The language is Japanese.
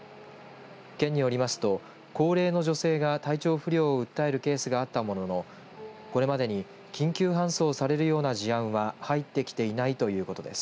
県によりますと高齢の女性が体調不良を訴えるケースがあったもののこれまでに緊急搬送されるような事案は入ってきていないということです。